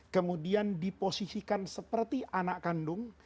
kemudian diposisikan seperti anak kandung